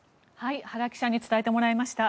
原記者に伝えてもらいました。